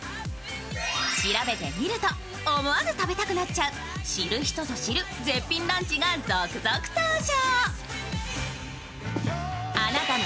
調べてみると、思わず食べたくなっちゃう知る人ぞ知る絶品ランチが続々登場。